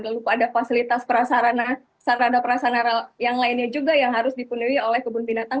lalu ada fasilitas sarana prasana yang lainnya juga yang harus dipenuhi oleh kebun binatang